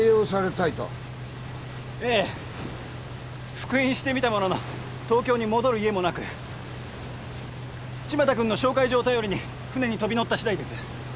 復員してみたものの東京に戻る家もなく千万太君の紹介状を頼りに船に飛び乗った次第です。